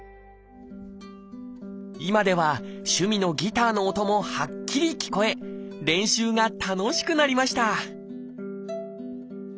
今では趣味のギターの音もはっきり聞こえ練習が楽しくなりました